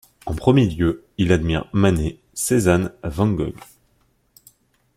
En premier lieu, il admire Manet, Cézanne, Van Gogh.